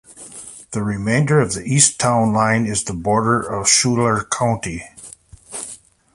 The remainder of the east town line is the border of Schuyler County.